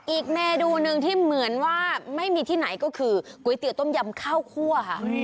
อีกเมนูหนึ่งที่เหมือนว่าไม่มีที่ไหนก็คือก๋วยเตี๋ยวต้มยำข้าวคั่วค่ะ